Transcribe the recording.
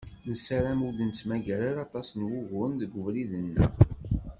Nessaram ur d-nettmagger ara aṭas n wuguren deg ubrid-nneɣ.